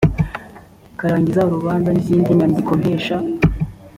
kurangiza urubanza n izindi nyandikompesha